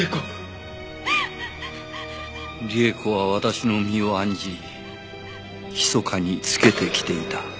里江子は私の身を案じひそかにつけてきていた。